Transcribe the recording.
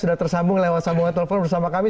sudah tersambung lewat sambungan telepon bersama kami